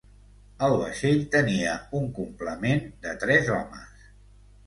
El vaixell tenia un complement de tres homes.